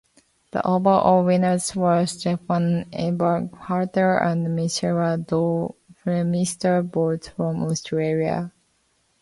The overall winners were Stephan Eberharter and Michaela Dorfmeister, both from Austria.